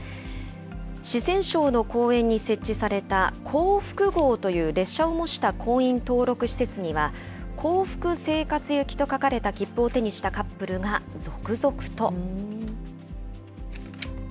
四川省の公園に設置された幸福号という列車を模した婚姻登録施設には、幸福生活行きと書かれた切符を手にしたカップルが続々と。